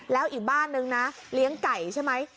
แล้วอีกบ้านนึงนะเลี้ยงไก่ใช่ไหม